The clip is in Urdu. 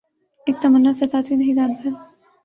اک تمنا ستاتی رہی رات بھر